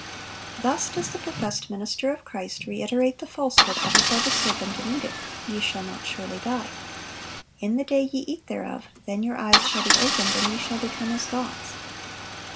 Thus does the professed minister of Christ reiterate the falsehood uttered by the serpent in Eden, "Ye shall not surely die." "In the day ye eat thereof, then your eyes shall be opened, and ye shall be as gods."